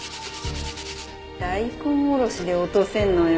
大根おろしで落とせるのよ。